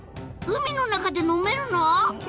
海の中で飲めるの？